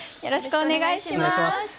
よろしくお願いします。